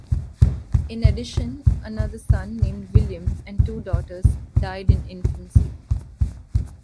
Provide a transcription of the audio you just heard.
In addition another son, named William, and two daughters died in infancy.